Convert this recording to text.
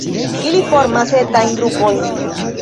Ili formas etajn grupojn.